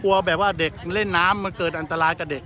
กลัวแบบเด็กเล่นน้ำเกิดอันตรายกับเด็ก